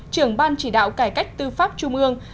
trưởng ban chỉ đạo cải cách tư pháp trung ương